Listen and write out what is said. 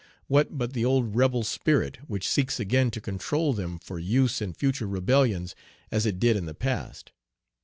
What but the old rebel spirit, which seeks again to control them for use in future rebellions as it did in the past.